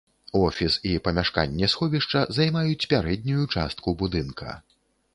Офіс і памяшканне сховішча займаюць пярэднюю частку будынка.